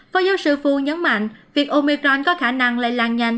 phó giáo sư fu nhấn mạnh việc omicron có khả năng lây lan nhanh